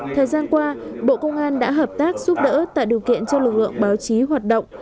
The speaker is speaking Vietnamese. thời gian qua bộ công an đã hợp tác giúp đỡ tạo điều kiện cho lực lượng báo chí hoạt động